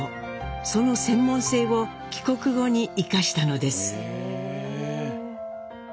その専門性を帰国後に生かしたのです。